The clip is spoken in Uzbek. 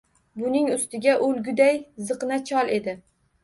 Buning ustiga o’lguday ziqna chol edi.